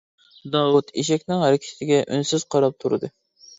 داۋۇت ئېشەكنىڭ ھەرىكىتىگە ئۈنسىز قاراپ تۇردى.